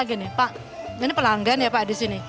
ini pelanggan ya pak disini